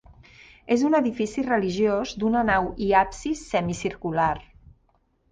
És un edifici religiós d'una nau i absis semicircular.